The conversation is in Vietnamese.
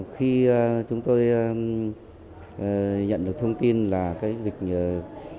khi chúng tôi nhận được thông tin là dịch vụ này